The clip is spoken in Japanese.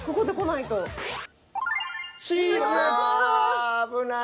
ああ危ない。